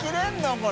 これ。